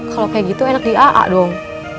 kalau kayak gitu enak di aa dong